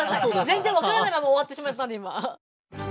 全然分からないまま終わってしまったんで今。